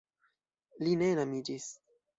Li ne enamiĝis.